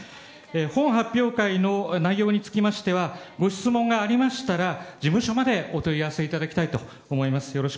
本発表会の内容につきましてはご質問がありましたら事務所までお問い合わせいただきたいと思います。